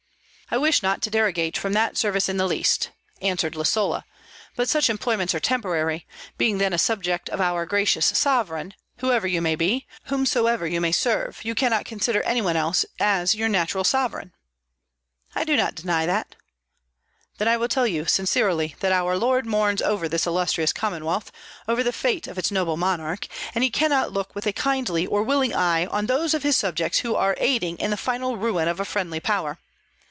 "I wish not to derogate from that service in the least," answered Lisola, "but such employments are temporary; being then a subject of our gracious sovereign, whoever you may be, whomsoever you may serve, you cannot consider any one else as your natural sovereign." "I do not deny that." "Then I will tell you sincerely, that our lord mourns over this illustrious Commonwealth, over the fate of its noble monarch, and he cannot look with a kindly or willing eye on those of his subjects who are aiding in the final ruin of a friendly power.